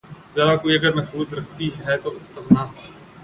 زرہ کوئی اگر محفوظ رکھتی ہے تو استغنا